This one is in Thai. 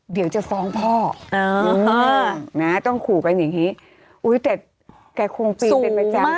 เดี๋ยวจะฟ้องพ่อนะต้องขู่กันอย่างนี้อุ้ยแต่แกคงตีเป็นประจำ